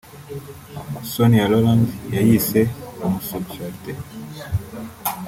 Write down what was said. Sonia Rolland yayise ‘Homosexualité